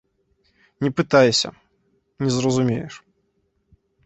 Не пытайся, не зразумееш.